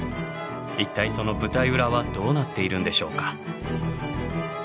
一体その舞台裏はどうなっているんでしょうか？